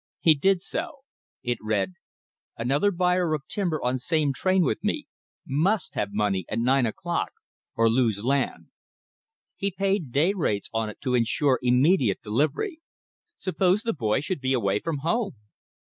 He did so. It read: "Another buyer of timber on same train with me. Must have money at nine o'clock or lose land." He paid day rates on it to insure immediate delivery. Suppose the boy should be away from home!